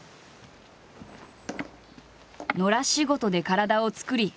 野良仕事で体を作り